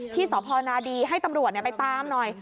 ที่สพนดีให้ตำรวจไปตามหน่อย